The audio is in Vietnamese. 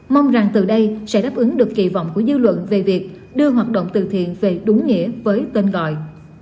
mong rằng từ đây sẽ đáp ứng được kỳ vọng của dư luận về việc đưa hoạt động từ thiện về đúng nghĩa với tên gọi